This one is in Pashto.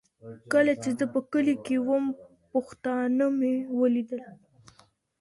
کله چي زه په کلي کي وم، پښتانه مي ولیدل.